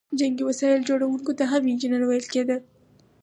جنګي وسایل جوړوونکو ته هم انجینر ویل کیده.